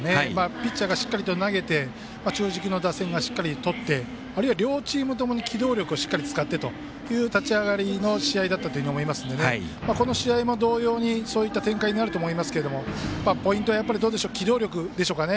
ピッチャーがしっかりと投げて中軸の打線をしっかりとって両チームとも機動力をしっかり使ってという立ち上がりの試合だったと思うのでこの試合も同様にそういった展開になると思いますけどポイントは、機動力でしょうかね。